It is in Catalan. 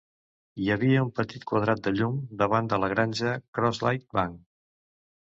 Hi havia un petit quadrat de llum davant de la granja Crossleigh Bank.